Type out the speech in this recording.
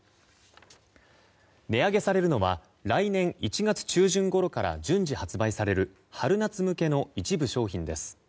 値上げされるのは来年１月中旬ごろから順次発売される春夏向けの一部商品です。